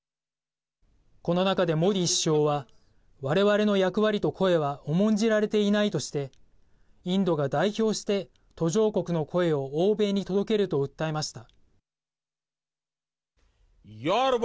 この中で、モディ首相は我々の役割と声は重んじられていないとしてインドが代表して途上国の声を欧米に届けると訴えました。